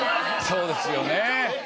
そうですよね。